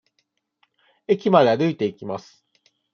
駅まで歩いていきます。